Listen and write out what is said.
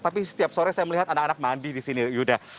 tapi setiap sore saya melihat anak anak mandi di sini yuda